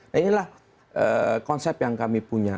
nah inilah konsep yang kami punya